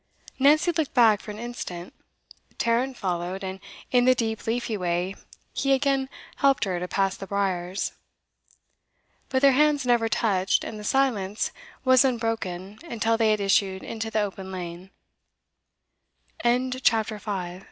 Nancy looked back for an instant. Tarrant followed, and in the deep leafy way he again helped her to pass the briers. But their hands never touched, and the silence was unbroken until they had issued into th